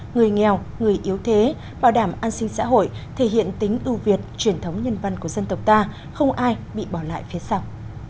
người nghèo người yếu thế bảo đảm an sinh xã hội thể hiện tính ưu việt truyền thống nhân văn của dân tộc ta không ai bị bỏ lại phía sau